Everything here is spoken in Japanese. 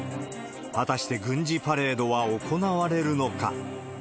果たして軍事パレードは行われるのか。